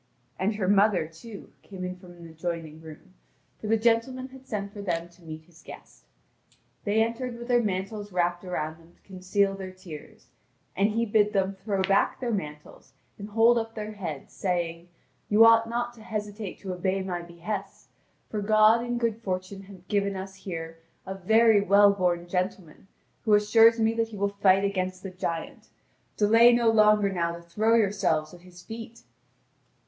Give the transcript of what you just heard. And her mother, too, came in from an adjoining room, for the gentleman had sent for them to meet his guest. They entered with their mantles wrapped about them to conceal their tears; and he bid them throw back their mantles, and hold up their heads, saying: "You ought not to hesitate to obey my behests, for God and good fortune have given us here a very well born gentleman who assures me that he will fight against the giant. Delay no longer now to throw yourselves at his feet!"